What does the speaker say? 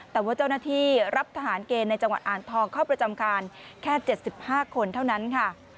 แต่ว่าเจ้าหน้าที่รับทหารเกณฑ์ในจังหวัดอ่างทองเข้าประจำการแค่๗๕คนเท่านั้นค่ะ